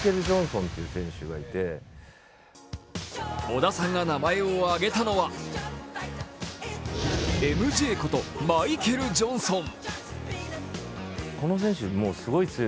織田さんが名前を挙げたのはＭＪことマイケル・ジョンソン。